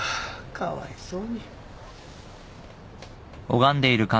かわいそうに。